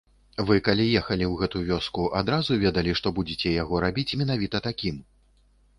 Вы калі ехалі ў гэту вёску, адразу ведалі, што будзеце яго рабіць менавіта такім?